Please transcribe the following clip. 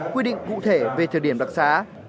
quy định cụ thể về thời điểm đặc sán